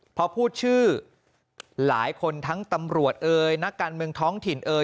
พอพูดชื่อหลายคนทั้งตำรวจเอ่ยนักการเมืองท้องถิ่นเอ่